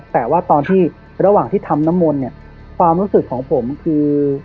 แต่ว่าตอนที่ระหว่างที่ทำน้ำมนต์เนี่ยความรู้สึกของผมคือ